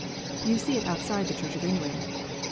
You see it outside the Church of England.